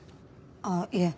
ああいえ。